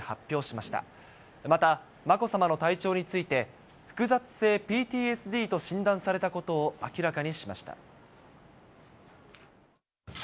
また、まこさまの体調について、複雑性ＰＴＳＤと診断されたことを明らかにしました。